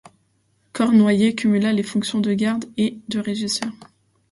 Cornoiller cumula les fonctions de garde et de régisseur.